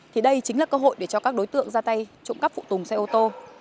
thì đây chính là cơ hội để cho các đối tượng ra tay trộm cắp phụ tùng xe ô tô